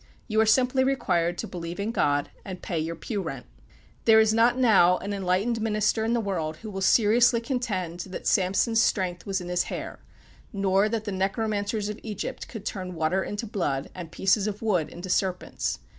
You are simply required to believe in God, and pay your pew rent. There is not now an enlightened minister in the world who will seriously contend that Samson's strength was in his hair, nor that the necromancers of Egypt could turn water into blood, and pieces of wood into serpents.